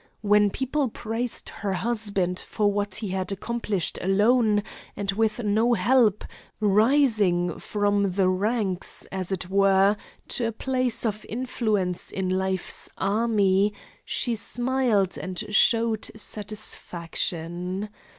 When people praised her husband for what he had accomplished alone and with no help, rising from the ranks, as it were, to a place of influence in life's army, she smiled and showed satisfaction.